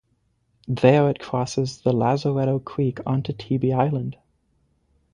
There it crosses the Lazaretto Creek onto Tybee Island.